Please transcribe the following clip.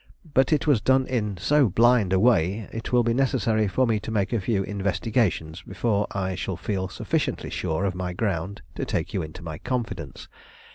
But it was done in so blind a way, it will be necessary for me to make a few investigations before I shall feel sufficiently sure of my ground to take you into my confidence.